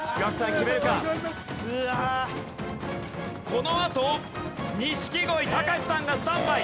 このあと錦鯉隆さんがスタンバイ。